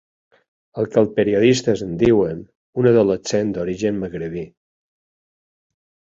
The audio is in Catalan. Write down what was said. El que els periodistes en diuen un adolescent d'origen magribí.